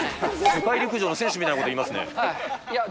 世界陸上の選手みたいなこと言いますね。